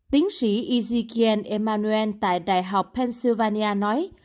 tiến sĩ ezekiel emanuel tại đại học pennsylvania nói